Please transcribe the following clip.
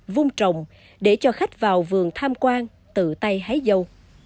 vung trồng để cho khách vào vườn tham quan tự tay hái dâu